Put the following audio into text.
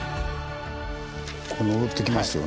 こう上ってきますよね。